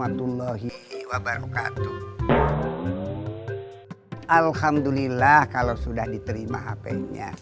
alhamdulillah kalau sudah diterima hp nya